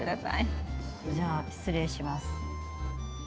じゃあ、失礼します。